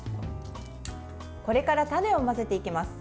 これからタネを混ぜていきます。